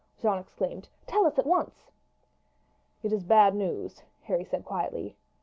Jeanne exclaimed. "Tell us at once. "It is bad news," Harry said quietly.